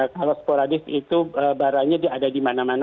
kalau sporadis itu barangnya ada di mana mana